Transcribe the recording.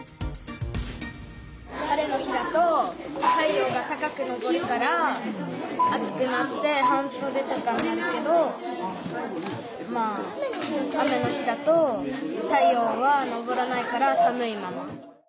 晴れの日だと太陽が高くのぼるから暑くなって半そでとかになるけどまあ雨の日だと太陽はのぼらないから寒いまま。